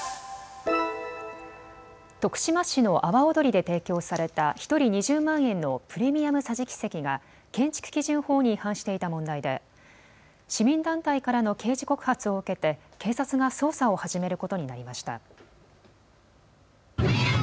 徳島市の阿波おどりで提供された１人２０万円のプレミアム桟敷席が、建築基準法に違反していた問題で、市民団体からの刑事告発を受けて、警察が捜査を始めることになりました。